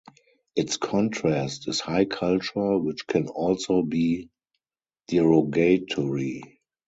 Its contrast is high culture which can also be derogatory.